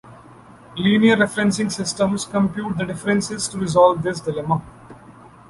Linear referencing systems compute the differences to resolve this dilemma.